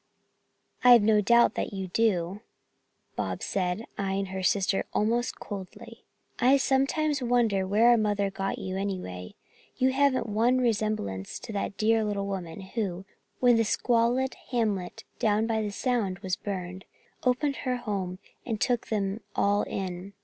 "I've no doubt that you do," Bobs said, eyeing her sister almost coldly. "I sometimes wonder where our mother got you, anyway. You haven't one resemblance to that dear little woman who, when the squalid hamlet down by the sound was burned, opened her home and took them all in.